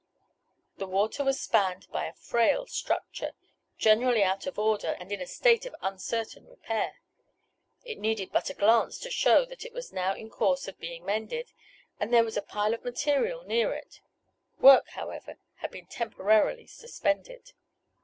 The water was spanned by a frail structure, generally out of order and in a state of uncertain repair. It needed but a glance to show that it was now in course of being mended, for there was a pile of material near it. Work, however, had been temporarily suspended.